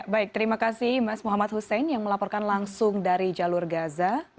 baik terima kasih mas muhammad hussein yang melaporkan langsung dari jalur gaza